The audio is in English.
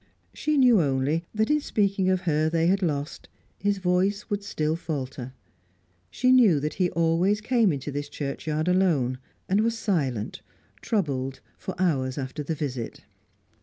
She knew only that, in speaking of her they had lost, his voice would still falter; she knew that he always came into this churchyard alone, and was silent, troubled, for hours after the visit.